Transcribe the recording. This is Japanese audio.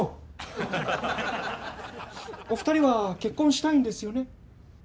お二人は結婚したいんですよね？